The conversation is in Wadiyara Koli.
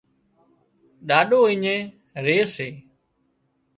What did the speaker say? ڏاڏو اڃين ري سي